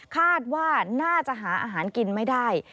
คาดว่าน่าจะหาอาหารกินไม่ได้